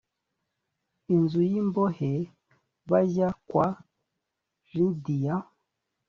inzu y imbohe bajya kwa lidiya